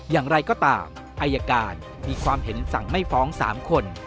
อย่างไรก็ตามอายการมีความเห็นสั่งไม่ฟ้อง๓คน